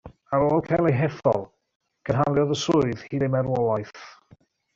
Ar ôl cael ei hethol, cynhaliodd y swydd hyd ei marwolaeth.